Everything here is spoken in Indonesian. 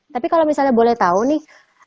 tapi kalau misalnya boleh tahu nih